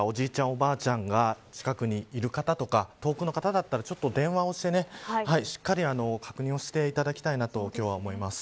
おばあちゃんが近くにいる方とか遠くの方だったら電話をして、しっかり確認をしていただきたいなと今日は思います。